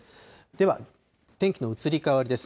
では天気の移り変わりです。